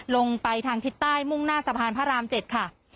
ลงไปทางทิศใต้มุ่งหน้าสะพานพระราม๗ค่ะ